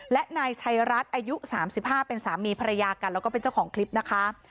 และนายชัยรัฐอายุ๓๕เป็นสามีภรรยากันแล้วก็เป็นเจ้าของคลิปนะคะ